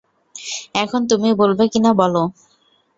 এখন তুমি বলবে কিনা বলো?